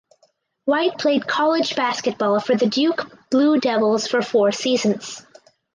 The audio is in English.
White played college basketball for the Duke Blue Devils for four seasons.